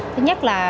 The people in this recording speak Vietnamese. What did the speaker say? thứ nhất là